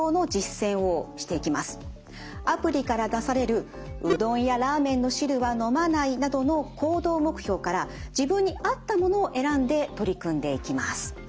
アプリから出される「うどんやラーメンの汁は飲まない」などの行動目標から自分に合ったものを選んで取り組んでいきます。